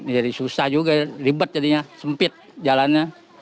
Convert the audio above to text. jadi susah juga ribet jadinya sempit jalannya